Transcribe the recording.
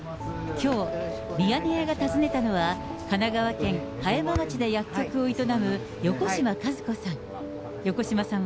きょう、ミヤネ屋が訪ねたのは、神奈川県葉山町で薬局を営む横島和子さん。